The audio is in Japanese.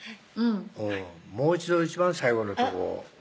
うんもう一度一番最後のとこ